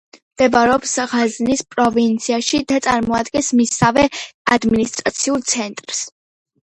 მდებარეობს ღაზნის პროვინციაში და წარმოადგენს მისსავე ადმინისტრაციულ ცენტრს.